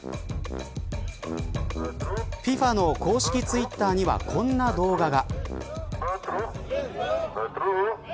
ＦＩＦＡの公式ツイッターにはこんな動画が。